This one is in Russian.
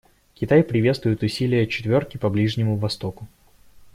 Китай приветствует усилия «четверки» по Ближнему Востоку.